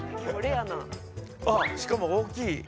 ああしかも大きい。